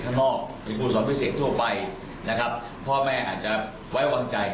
ข้างบ้างเป็นการสอบภาษาอังกฤษทั่วไปนะครับพ่อแม่อาจจะไว้วังใจ